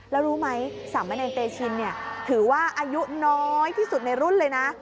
แล้วรู้ไหมสามเณรเตชินถือว่าอายุน้อยที่สุดในรุ่นเลยนะ